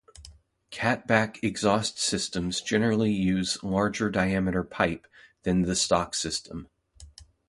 Cat-back exhaust systems generally use larger diameter pipe than the stock system.